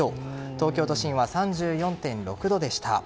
東京都心は３４．６度でした。